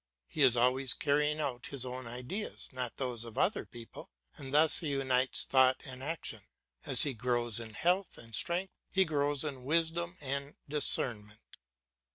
He is always carrying out his own ideas, not those of other people, and thus he unites thought and action; as he grows in health and strength he grows in wisdom and discernment.